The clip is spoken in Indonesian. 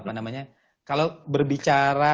apa namanya kalau berbicara